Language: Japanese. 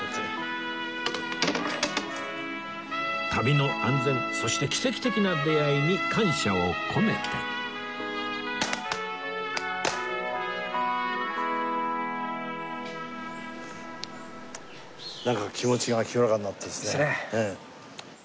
旅の安全そして奇跡的な出会いに感謝を込めてなんか気持ちが清らかになったですね。